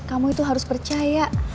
kamu itu harus percaya